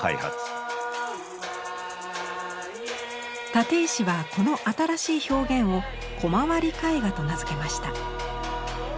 立石はこの新しい表現を「コマ割り絵画」と名付けました。